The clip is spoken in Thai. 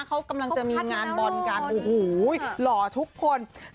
เขากำลังจะมีงานบอลกันโอ้โหหล่อทุกคน